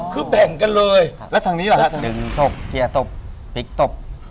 คือแบ่งกันเลยครับแล้วทางนี้ล่ะฮะทางนี้ดึงศพเทียดศพพลิกศพ